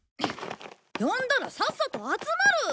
呼んだらさっさと集まる！